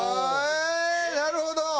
なるほど！